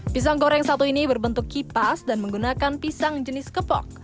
pisang goreng satu ini berbentuk kipas dan menggunakan pisang jenis kepok